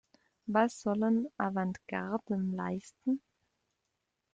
Was sollen Avantgarden leisten?